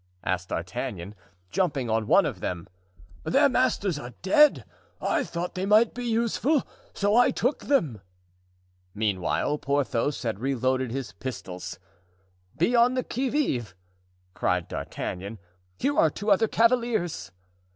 asked D'Artagnan, jumping on one of them. "Their masters are dead! I thought they might be useful, so I took them." Meantime Porthos had reloaded his pistols. "Be on the qui vive!" cried D'Artagnan. "Here are two other cavaliers."